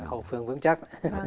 hậu phương vững chắc